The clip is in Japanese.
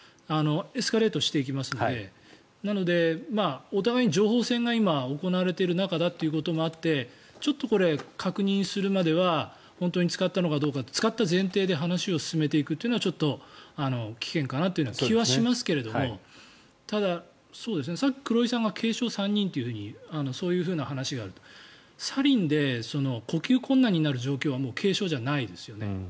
エスカレートしていきますのでなので、お互いに情報戦が今、行われている中だということもあってちょっと確認するまでは本当に使ったのかどうか使った前提で話を進めていくというのはちょっと危険かなという気がしますがただ、さっき黒井さんが軽傷３人と、そういう話があるとサリンで呼吸困難になる状態は軽傷じゃないですよね。